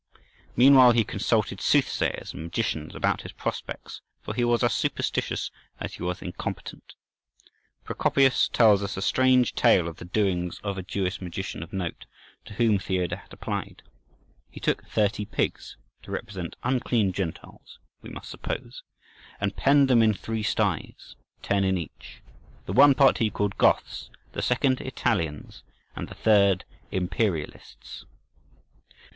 Meanwhile he consulted soothsayers and magicians about his prospects, for he was as superstitious as he was incompetent. Procopius tells us a strange tale of the doings of a Jewish magician of note, to whom Theodahat applied. He took thirty pigs—to represent unclean Gentiles, we must suppose—and penned them in three styes, ten in each. The one part he called "Goths," the second "Italians," and the third "Imperialists."